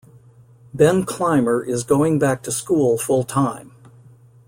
Ben Clymer is going back to school full-time.